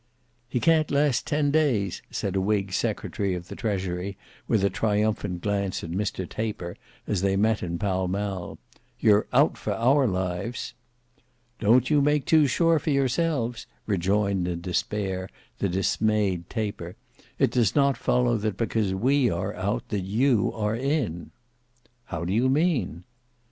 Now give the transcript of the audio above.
"He can't last ten days," said a whig secretary of the treasury with a triumphant glance at Mr Taper as they met in Pall Mall; "You're out for our lives." "Don't you make too sure for yourselves," rejoined in despair the dismayed Taper. "It does not follow that because we are out, that you are in." "How do you mean?"